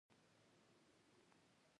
لکه ژمنه چې یې ورسره کړې وه.